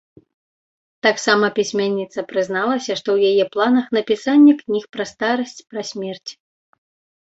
Таксама пісьменніца прызналася, што ў яе планах напісанне кніг пра старасць, пра смерць.